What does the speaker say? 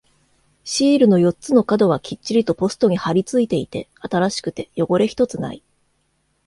シールの四つの角はきっちりとポストに貼り付いていて、新しくて汚れ一つない。